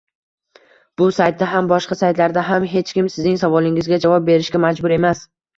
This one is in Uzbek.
Bu saytda ham, boshqa saytlarda ham hech kim Sizning savolingizga javob berishga majbur emas